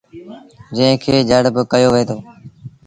جݩهݩ کي جڙ با ڪهيو وهي دو۔